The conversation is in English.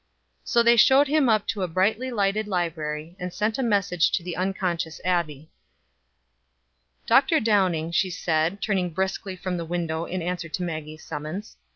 So they showed him up to the brightly lighted library, and sent a message to the unconscious Abbie. "Dr. Downing," she said, turning briskly from the window in answer to Maggie's summons.